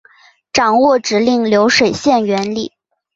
掌握指令流水线原理